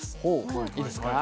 いいですか？